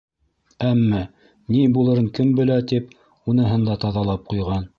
Әммә, ни булырын кем белә тип уныһын да таҙалап ҡуйған.